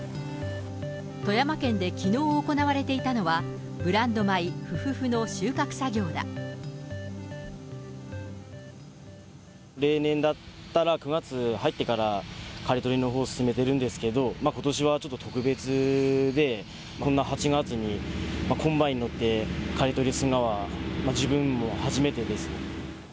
富山県できのう行われていたのは、ブランド米、例年だったら、９月入ってから刈り取りのほう進めてるんですけど、ことしはちょっと特別で、こんな８月にコンバイン乗って刈り取りするのは自分も初めてです。